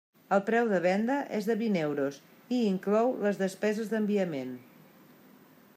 El preu de venda és de vint euros i inclou les despeses d'enviament.